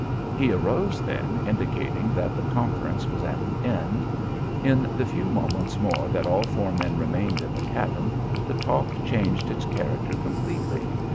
He arose then indicating that the conference was at an end. In the few moments more that all four men remained in the cabin, the talk changed its character completely.